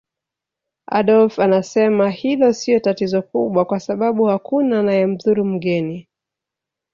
Adolf anasema hilo sio tatizo kubwa kwa sababu hakuna anayemdhuru mgeni